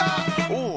おお！